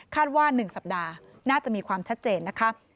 ว่า๑สัปดาห์น่าจะมีความชัดเจนนะคะ